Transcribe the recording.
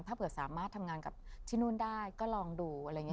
ถ้าเผื่อสามารถทำงานกับที่นู่นได้ก็ลองดูอะไรอย่างนี้